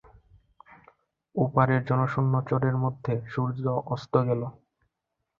ও পারের জনশূন্য চরের মধ্যে সূর্য অস্ত গেল।